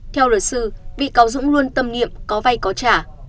theo luật sư bị cáo dũng luôn tâm niệm có vay có trả